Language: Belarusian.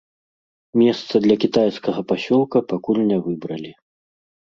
Месца для кітайскага пасёлка пакуль не выбралі.